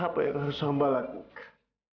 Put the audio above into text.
apa yang harus hamba lakukan